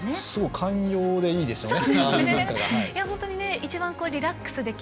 寛容でいいですね。